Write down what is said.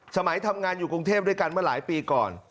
สมัยทำงานอยู่กรุงเทพฯด้วยกันมาหลายปีก่อน